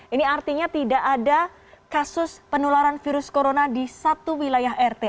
ini artinya tidak ada kasus penularan virus corona di satu wilayah rt